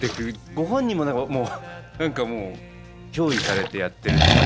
ご本人も何かもうひょう依されてやってるって感じもそうだし